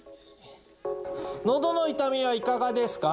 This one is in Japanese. のどの痛みはいかがですか？